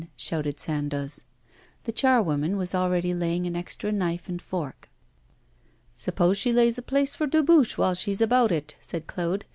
shouted Sandoz. The charwoman was already laying an extra knife and fork. 'Suppose she lays a place for Dubuche, while she is about it,' said Claude.